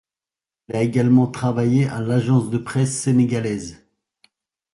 Il a également travaillé à l’Agence de presse sénégalaise.